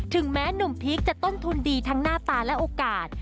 แม้หนุ่มพีคจะต้นทุนดีทั้งหน้าตาและโอกาส